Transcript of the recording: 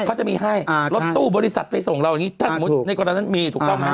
เขาจะมีให้รถตู้บริษัทไปส่งเราอย่างนี้ถ้าสมมติในกรณะนั้นมี